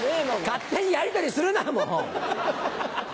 勝手にやりとりするなもう。